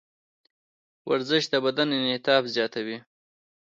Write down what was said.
ورزش د بدن انعطاف زیاتوي.